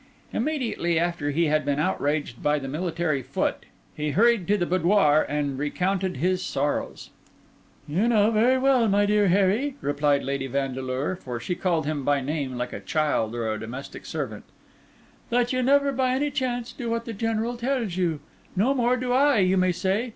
Immediately after he had been outraged by the military foot, he hurried to the boudoir and recounted his sorrows. "You know very well, my dear Harry," replied Lady Vandeleur, for she called him by name like a child or a domestic servant, "that you never by any chance do what the General tells you. No more do I, you may say.